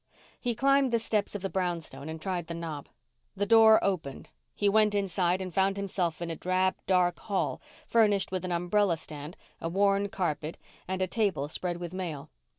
He climbed the steps of the brownstone and tried the knob. The door opened. He went inside and found himself in a drab, dark hall furnished with an umbrella stand, a worn carpet, and a table spread with mail.